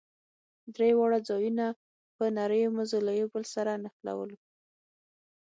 درې واړه ځايونه په نريو مزو له يو بل سره نښلوو.